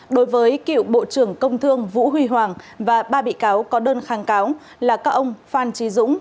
đối với cựu bộ trưởng công thương vũ huy hoàng và ba bị cáo có đơn kháng cáo là các ông phan trí dũng